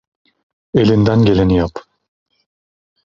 Elinden geleni yap.